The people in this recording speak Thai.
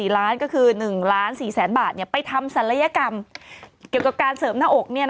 ๔ล้านก็คือ๑ล้าน๔แสนบาทไปทำศัลยกรรมเกี่ยวกับการเสริมหน้าอก